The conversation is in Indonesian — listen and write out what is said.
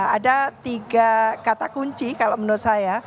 ada tiga kata kunci kalau menurut saya